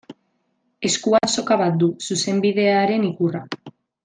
Eskuan soka bat du, zuzenbidearen ikurra.